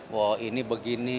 wah ini begini